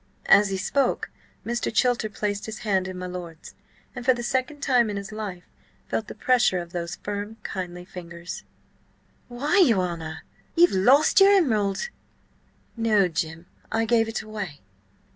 As he spoke, Mr. Chilter placed his hand in my lord's, and for the second time in his life, felt the pressure of those firm, kindly fingers. "Why, your honour! Ye've lost your emerald!" "No, Jim. I gave it away."